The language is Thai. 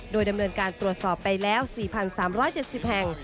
โดยดำเนินการตรวจสอบไปแล้ว๔๓๗๐แห่ง